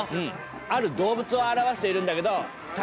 ある動物を表しているんだけど隆